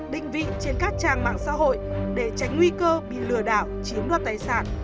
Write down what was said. định vị trên các trang mạng xã hội để tránh nguy cơ bị lừa đảo chiếm đoạt tài sản